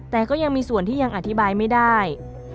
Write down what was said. แต่ก็ยังมีส่วนที่ยังอธิบายไม่ได้